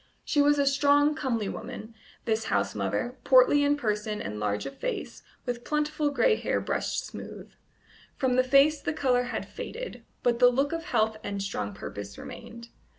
She was a strong, comely woman, this housemother, portly in person and large of face, with plentiful gray hair brushed smooth; from the face the colour had faded, but the look of health and strong purpose remained.